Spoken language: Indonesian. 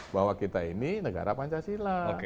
bahwa kita ini negara pancasila